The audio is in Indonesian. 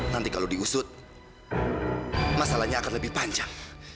nanti kalau diusut masalahnya akan lebih panjang